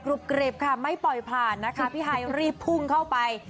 กรีบค่ะไม่ปล่อยผ่านนะคะพี่ฮายรีบพุ่งเข้าไป